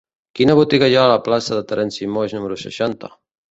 Quina botiga hi ha a la plaça de Terenci Moix número seixanta?